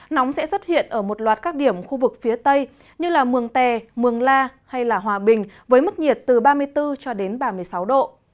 nóng sẽ xuất hiện ở một loạt các điểm khu vực phía tây như mường tè mường la hay hòa bình với mức nhiệt từ ba mươi bốn cho đến ba mươi sáu độ